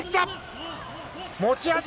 持ち味。